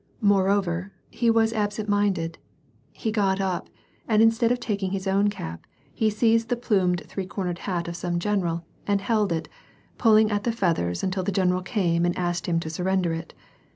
Moreover he was absent minded. He got up, and instead of taking his own cap, he seized the plumed three cornered hat of some general, and held it, pulling at the feathers until the general came and asked him to surrender it.